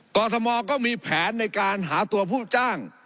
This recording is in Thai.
กรทมก็มีแผนในการหาตัวผู้จ้าง